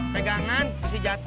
pegangan isi jatuh